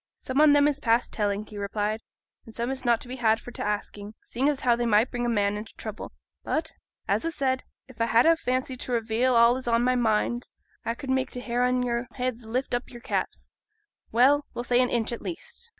'Some on 'em is past telling,' he replied, 'an some is not to be had for t' asking, seeing as how they might bring a man into trouble. But, as a said, if a had a fancy to reveal all as is on my mind a could make t' hair on your heads lift up your caps well, we'll say an inch, at least.